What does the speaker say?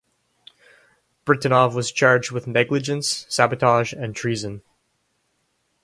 Britanov was charged with negligence, sabotage, and treason.